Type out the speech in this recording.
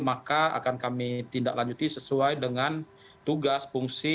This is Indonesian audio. maka akan kami tindak lanjuti sesuai dengan tugas fungsi